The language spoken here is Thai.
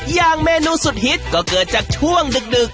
อย่างเมนูสุดฮิตก็เกิดจากช่วงดึก